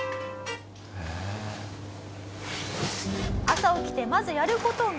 朝起きてまずやる事が。